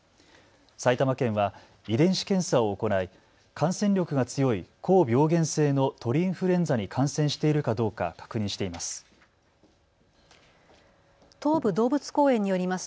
埼玉県は遺伝子検査を行い感染力が強い高病原性の鳥インフルエンザに感染しているかどうか確認しています。